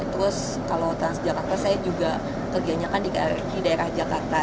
terus kalau transjakarta saya juga kerjanya kan di daerah jakarta